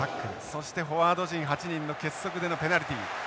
そしてフォワード陣８人の結束でのペナルティ。